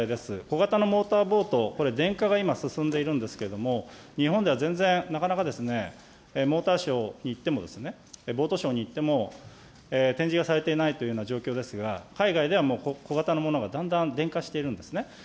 小型のモーターボート、これ電化が今、進んでいるんですけれども、日本では全然、なかなかですね、モーターショーに行っても、ボートショーに行っても、展示がされていないというような状況ですが、海外ではもう小型のものがだんだん電化しているんですね。